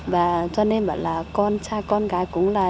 và cho nên bảo là con trai con gái cũng là